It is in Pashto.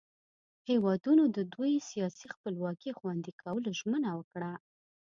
هیوادونو د دوئ سیاسي خپلواکي خوندي کولو ژمنه وکړه.